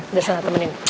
udah saya ingin temenin